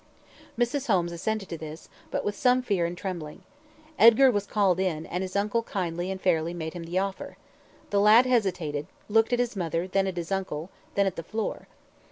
Mrs. Holmes assented to this, but with some fear and trembling. Edgar was called in, and his uncle kindly and fairly made him the offer. The lad hesitated looked at his mother, then at his uncle, then at the floor.